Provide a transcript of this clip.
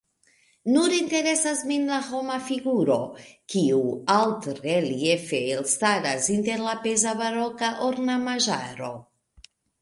Nur interesas min la homa figuro, kiu altreliefe elstaras inter la peza baroka ornamaĵaro.